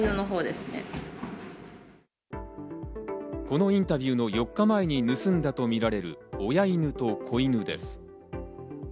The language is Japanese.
このインタビューの４日前に盗んだとみられる親犬と子犬です。